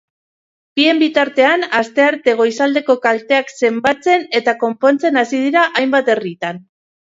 Bien bitartean, astearte goizaldeko kalteak zenbatzen eta konpontzen hasi dira hainbat herritan.